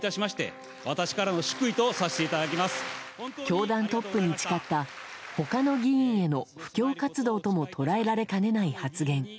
教団トップに誓った他の議員への布教活動とも捉えられかねない発言。